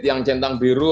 yang centang biru